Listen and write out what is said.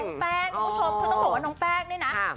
แป้งคุณผู้ชมคือต้องบอกว่าน้องแป้งเนี่ยนะ